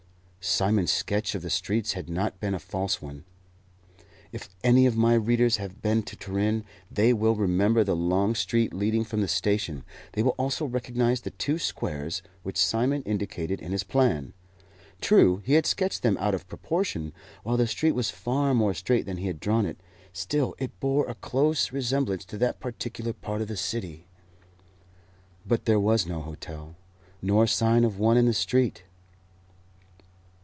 Simon's sketch of the streets had not been a false one. If any of my readers have been to Turin, they will remember the long street leading from the station; they will also recognize the two squares which Simon indicated in his plan. True, he had sketched them out of proportion, while the street was far more straight than he had drawn it. Still, it bore a close resemblance to that particular part of the city. But there was no hotel, nor sign of one in the street.